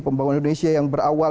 pembangunan indonesia yang berawal